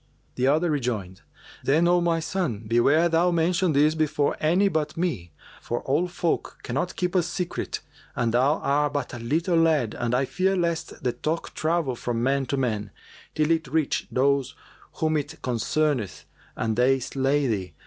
The other rejoined, "Then, O my son, beware thou mention this before any but me; for all folk cannot keep a secret and thou art but a little lad and I fear lest the talk travel from man to man, till it reach those whom it concerneth and they slay thee.